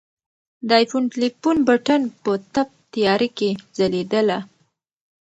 د آیفون ټلیفون بټن په تپ تیاره کې ځلېدله.